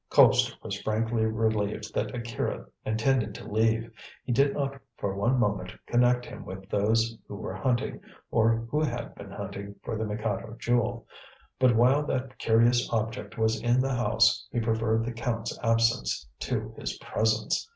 Colpster was frankly relieved that Akira intended to leave. He did not for one moment connect him with those who were hunting, or who had been hunting for the Mikado Jewel; but while that curious object was in the house he preferred the Count's absence to his presence.